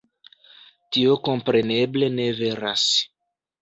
Tio kompreneble ne veras.